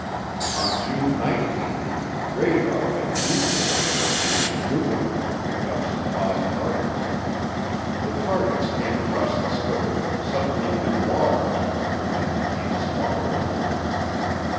On June 19 radar at Goose AFB in Newfoundland picked up some odd targets. The targets came across the scope, suddenly enlarged, and then became smaller again.